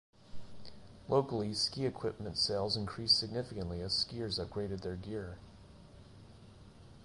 Locally, ski equipment sales increased significantly as skiers upgraded their gear.